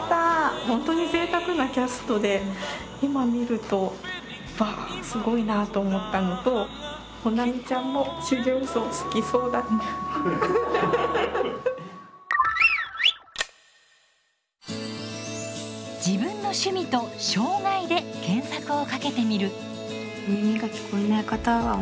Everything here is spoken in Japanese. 本当にぜいたくなキャストで今観ると「わあすごいな！」と思ったのと保奈美ちゃんも「自分の趣味」と「障がい」で検索をかけてみる。